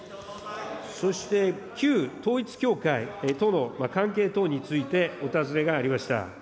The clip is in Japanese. そして旧統一教会との関係等についてお尋ねがありました。